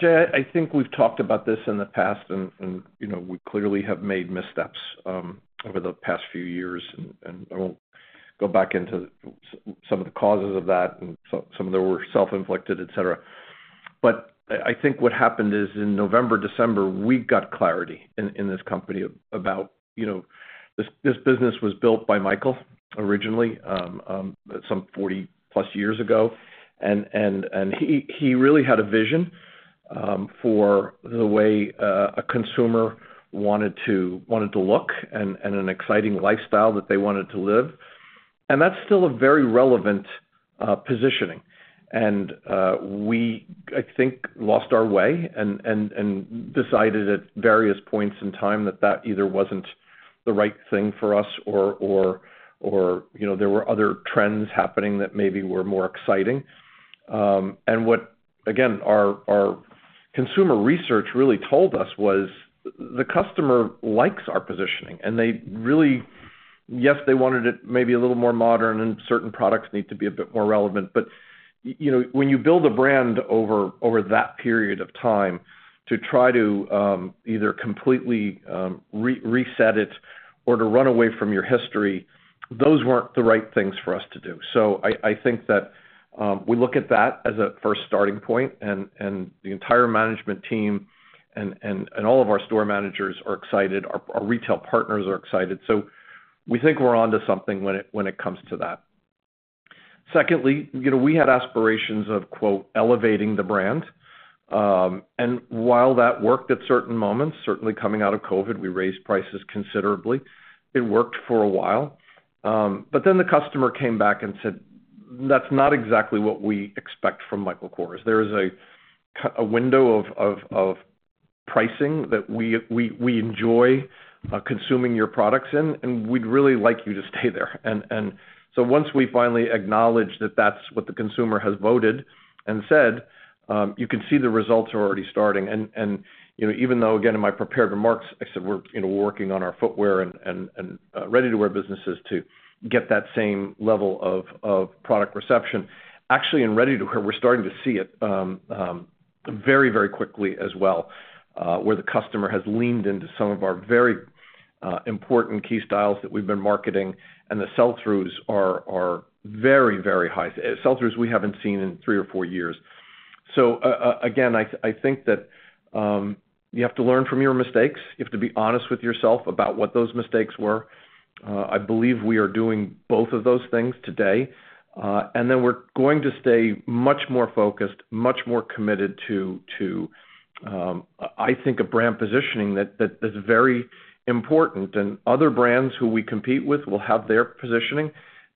Jay, I think we've talked about this in the past, and we clearly have made missteps over the past few years. I won't go back into some of the causes of that and some of them were self-inflicted, etc. I think what happened is in November, December, we got clarity in this company about this business was built by Michael originally some 40-plus years ago. He really had a vision for the way a consumer wanted to look and an exciting lifestyle that they wanted to live. That is still a very relevant positioning. We, I think, lost our way and decided at various points in time that that either was not the right thing for us or there were other trends happening that maybe were more exciting. What, again, our consumer research really told us was the customer likes our positioning. They really, yes, wanted it maybe a little more modern, and certain products need to be a bit more relevant. When you build a brand over that period of time to try to either completely reset it or to run away from your history, those were not the right things for us to do. I think that we look at that as a first starting point. The entire management team and all of our store managers are excited. Our retail partners are excited. We think we are on to something when it comes to that. Secondly, we had aspirations of "elevating the brand." While that worked at certain moments, certainly coming out of COVID, we raised prices considerably. It worked for a while. The customer came back and said, "That's not exactly what we expect from Michael Kors. There is a window of pricing that we enjoy consuming your products in, and we'd really like you to stay there." Once we finally acknowledged that that's what the consumer has voted and said, you can see the results are already starting. Even though, again, in my prepared remarks, I said we are working on our footwear and ready-to-wear businesses to get that same level of product reception. Actually, in ready-to-wear, we're starting to see it very, very quickly as well, where the customer has leaned into some of our very important key styles that we've been marketing. The sell-throughs are very, very high. Sell-throughs we haven't seen in three or four years. I think that you have to learn from your mistakes. You have to be honest with yourself about what those mistakes were. I believe we are doing both of those things today. We are going to stay much more focused, much more committed to, I think, a brand positioning that is very important. Other brands who we compete with will have their positioning.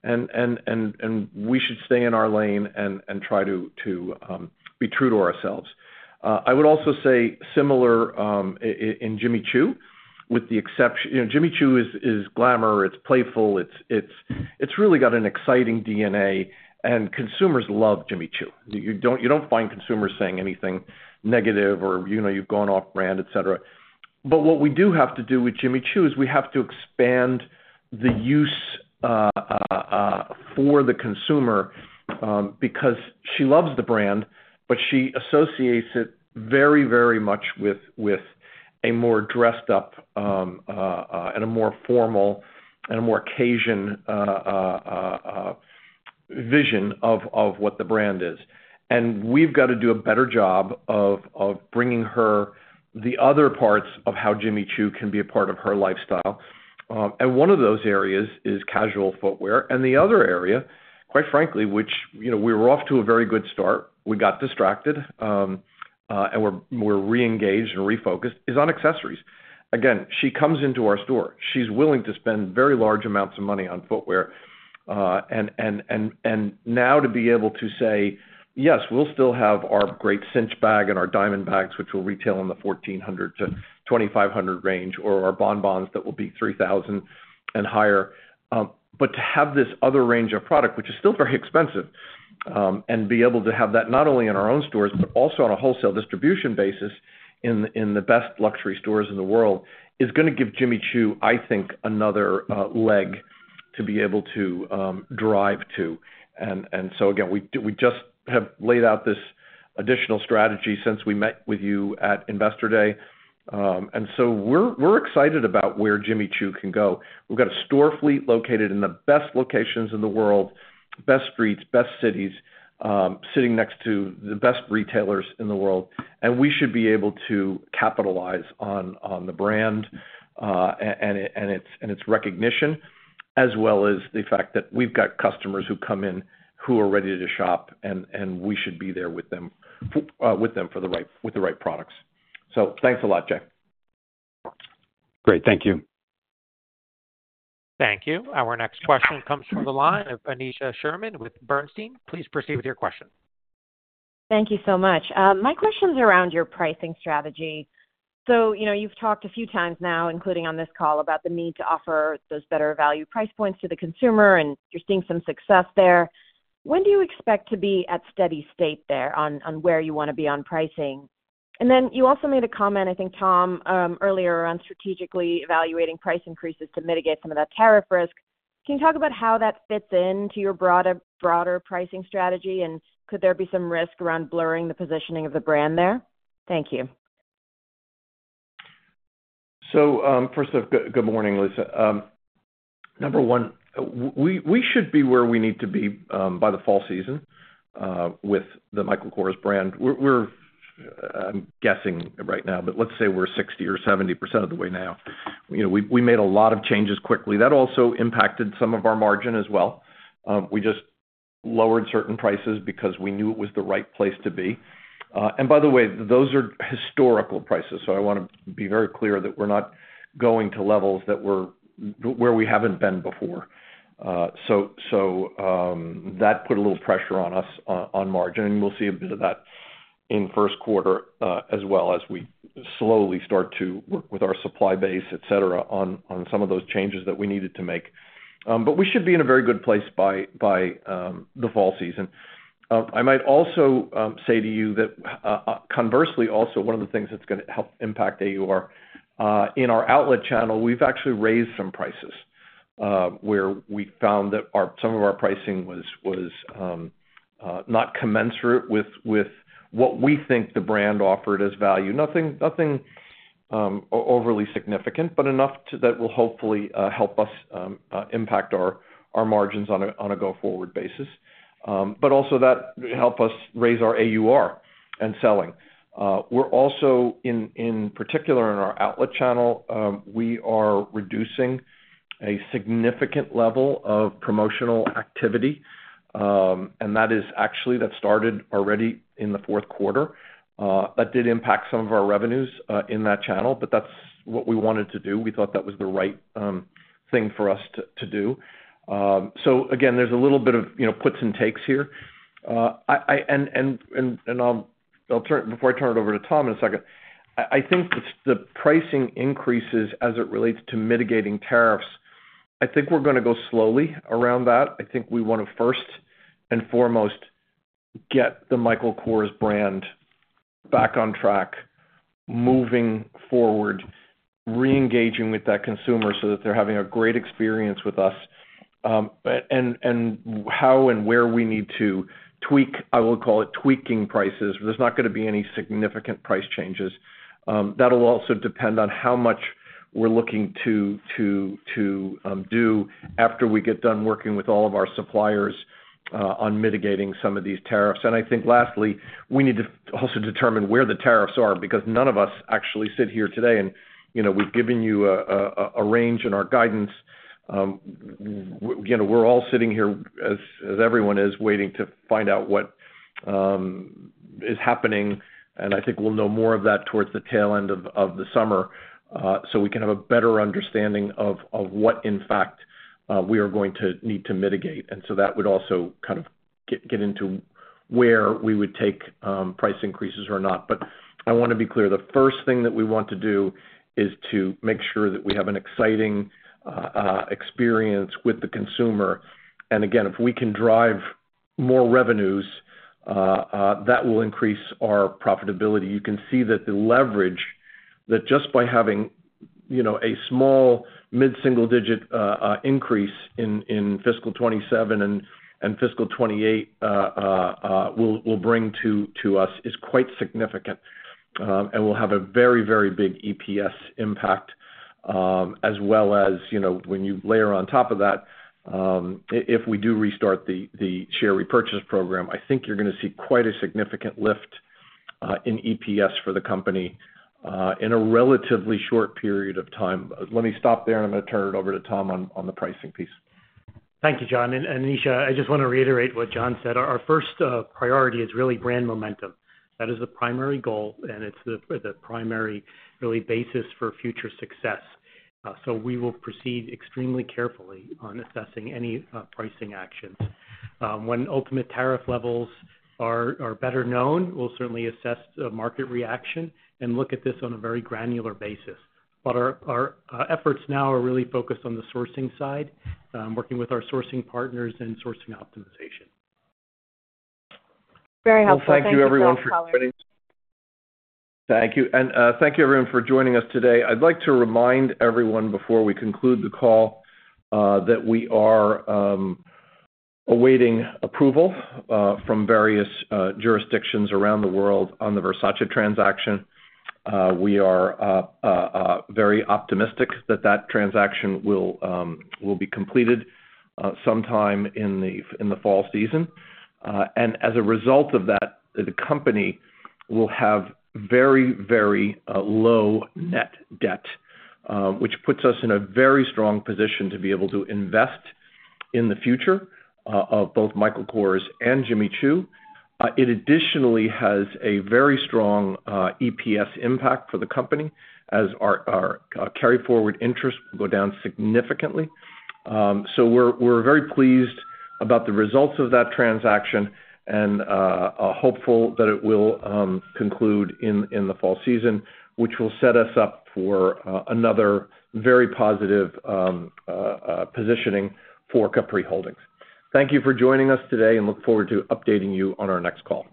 We should stay in our lane and try to be true to ourselves. I would also say similar in Jimmy Choo, with the exception Jimmy Choo is glamour. It's playful. It's really got an exciting DNA. Consumers love Jimmy Choo. You do not find consumers saying anything negative or you have gone off brand, etc. What we do have to do with Jimmy Choo is we have to expand the use for the consumer because she loves the brand, but she associates it very, very much with a more dressed-up and a more formal and a more Cajun vision of what the brand is. We have got to do a better job of bringing her the other parts of how Jimmy Choo can be a part of her lifestyle. One of those areas is casual footwear. The other area, quite frankly, which we were off to a very good start, we got distracted, and we are reengaged and refocused, is on accessories. Again, she comes into our store. She is willing to spend very large amounts of money on footwear. Now to be able to say, "Yes, we'll still have our great Cinch bag and our Diamond bags, which will retail in the $1,400-$2,500 range, or our Bonbons that will be $3,000 and higher." To have this other range of product, which is still very expensive, and be able to have that not only in our own stores but also on a wholesale distribution basis in the best luxury stores in the world is going to give Jimmy Choo, I think, another leg to be able to drive to. Again, we just have laid out this additional strategy since we met with you at Investor Day. We are excited about where Jimmy Choo can go. We have got a store fleet located in the best locations in the world, best streets, best cities, sitting next to the best retailers in the world. We should be able to capitalize on the brand and its recognition as well as the fact that we have customers who come in who are ready to shop, and we should be there with them for the right products. Thanks a lot, Jay. Great. Thank you. Thank you. Our next question comes from the line of Aneesha Sherman with Sanford C. Bernstein & Co. Please proceed with your question. Thank you so much. My question is around your pricing strategy. You have talked a few times now, including on this call, about the need to offer those better value price points to the consumer, and you are seeing some success there. When do you expect to be at steady state there on where you want to be on pricing? You also made a comment, I think, Tom, earlier around strategically evaluating price increases to mitigate some of that tariff risk. Can you talk about how that fits into your broader pricing strategy, and could there be some risk around blurring the positioning of the brand there? Thank you. First off, good morning, Lisa. Number one, we should be where we need to be by the fall season with the Michael Kors brand. I'm guessing right now, but let's say we're 60% or 70% of the way now. We made a lot of changes quickly. That also impacted some of our margin as well. We just lowered certain prices because we knew it was the right place to be. By the way, those are historical prices. I want to be very clear that we're not going to levels that we haven't been before. That put a little pressure on us on margin. We will see a bit of that in first quarter as well as we slowly start to work with our supply base, etc., on some of those changes that we needed to make. We should be in a very good place by the fall season. I might also say to you that, conversely, also one of the things that is going to help impact AUR in our outlet channel, we have actually raised some prices where we found that some of our pricing was not commensurate with what we think the brand offered as value. Nothing overly significant, but enough that will hopefully help us impact our margins on a go-forward basis. Also, that helped us raise our AUR and selling. We are also, in particular, in our outlet channel, reducing a significant level of promotional activity. That actually started already in the fourth quarter. That did impact some of our revenues in that channel, but that's what we wanted to do. We thought that was the right thing for us to do. Again, there's a little bit of puts and takes here. Before I turn it over to Tom in a second, I think the pricing increases as it relates to mitigating tariffs, I think we're going to go slowly around that. I think we want to first and foremost get the Michael Kors brand back on track, moving forward, reengaging with that consumer so that they're having a great experience with us. How and where we need to tweak, I will call it tweaking prices, there's not going to be any significant price changes. That will also depend on how much we're looking to do after we get done working with all of our suppliers on mitigating some of these tariffs. I think lastly, we need to also determine where the tariffs are because none of us actually sit here today. We have given you a range in our guidance. We are all sitting here, as everyone is, waiting to find out what is happening. I think we will know more of that towards the tail end of the summer so we can have a better understanding of what, in fact, we are going to need to mitigate. That would also kind of get into where we would take price increases or not. I want to be clear. The first thing that we want to do is to make sure that we have an exciting experience with the consumer. Again, if we can drive more revenues, that will increase our profitability. You can see that the leverage that just by having a small mid-single-digit increase in fiscal 2027 and fiscal 2028 will bring to us is quite significant. It will have a very, very big EPS impact as well as when you layer on top of that, if we do restart the share repurchase program, I think you're going to see quite a significant lift in EPS for the company in a relatively short period of time. Let me stop there, and I'm going to turn it over to Tom on the pricing piece. Thank you, John. Aneesha, I just want to reiterate what John said. Our first priority is really brand momentum. That is the primary goal, and it's the primary really basis for future success. We will proceed extremely carefully on assessing any pricing actions. When ultimate tariff levels are better known, we'll certainly assess the market reaction and look at this on a very granular basis. Our efforts now are really focused on the sourcing side, working with our sourcing partners and sourcing optimization. Very helpful. Thank you, everyone, for joining. Thank you. Thank you, everyone, for joining us today. I'd like to remind everyone before we conclude the call that we are awaiting approval from various jurisdictions around the world on the Versace transaction. We are very optimistic that that transaction will be completed sometime in the fall season. As a result of that, the company will have very, very low net debt, which puts us in a very strong position to be able to invest in the future of both Michael Kors and Jimmy Choo. It additionally has a very strong EPS impact for the company as our carry-forward interest will go down significantly. We are very pleased about the results of that transaction and hopeful that it will conclude in the fall season, which will set us up for another very positive positioning for Capri Holdings. Thank you for joining us today, and look forward to updating you on our next call.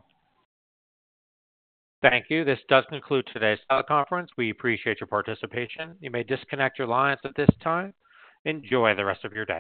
Thank you. This does conclude today's teleconference. We appreciate your participation. You may disconnect your lines at this time. Enjoy the rest of your day.